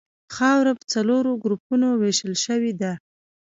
خاوره په څلورو ګروپونو ویشل شوې ده